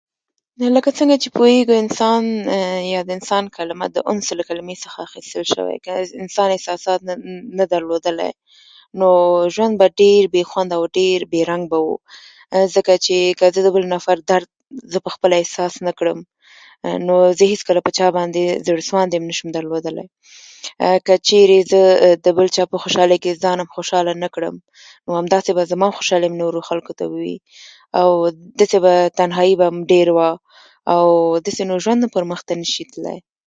لکه څنګه چې پوییږئ، انسان یا د انسان کلیمه د انس له کلیمې څخه اخیستل شوې. که انسان احساسات نه نه درلودلای، نو ژوند به ډېر خونده و، ډېر بې رنګه به و؛ زکه چې زه د بل نفر درد زه په خپله احساس نه کړم، نو زه هيڅ کله په چا باندې زړه سواندی نشم درلودلای. که چېرې زه د بل چا په خوشالۍ کې ځان خوشاله نه کړم، نو همداسې به زما خوشالۍ هم نورو ته وي، او دسې به تنهايي بم ډېره وه، او دسې ژوندم پرمخ نشي تلای.